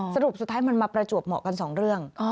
สรุปสุดท้ายมันมาประจวบเหมาะกันสองเรื่อง